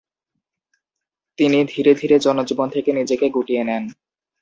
তিনি ধীরে ধীরে জনজীবন থেকে নিজেকে গুটিয়ে নেন।